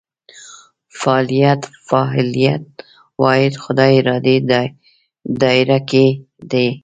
فعالیت فاعلیت واحد خدای ارادې دایره کې دي.